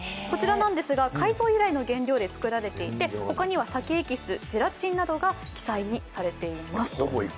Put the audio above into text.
こちら、海藻由来の原料で作られていて、ほかにはサケエキスゼラチンなどが記載されています。